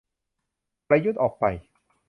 ประยุทธ์ออกไป